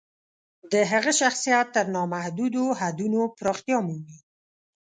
د هغه شخصیت تر نامحدودو حدونو پراختیا مومي.